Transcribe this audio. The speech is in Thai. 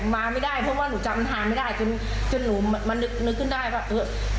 มาไม่ได้เพราะว่าหนูจำทานไม่ได้จนจนหนูมันนึกขึ้นได้ว่าเออ